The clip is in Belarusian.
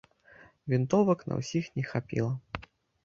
Вінтовак на ўсіх не хапіла.